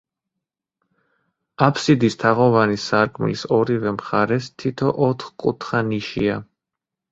აფსიდის თაღოვანი სარკმლის ორივე მხარეს თითო ოთხკუთხა ნიშია.